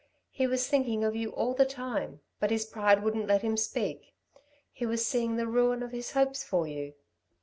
He was thinking of you all the time but his pride wouldn't let him speak. He was seeing the ruin of his hopes for you.